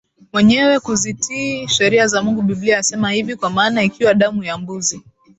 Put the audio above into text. mwenyewe kuzitii sheria za Mungu Biblia yasema hivi Kwa maana ikiwa damu ya mbuzi